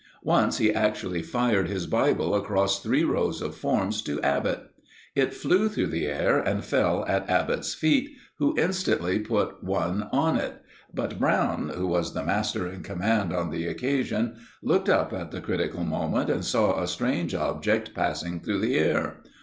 Once he actually fired his Bible across three rows of forms to Abbott. It flew through the air and fell at Abbott's feet, who instantly put one on it. But Brown, who was the master in command on the occasion, looked up at the critical moment and saw a strange object passing through the air.